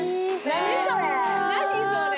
何それ？